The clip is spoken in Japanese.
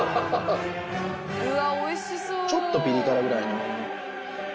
ちょっとピリ辛ぐらいの。